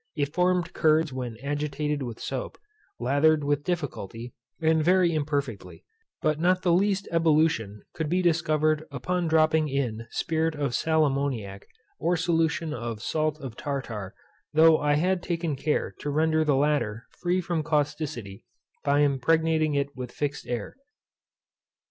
It formed curds when agitated with soap, lathered with difficulty, and very imperfectly; but not the least ebullition could be discovered upon dropping in spirit of sal ammoniac, or solution of salt of tartar, though I had taken care to render the latter free from causticity by impregnating it with fixed air.